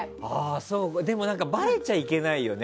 でも、バレちゃいけないよね。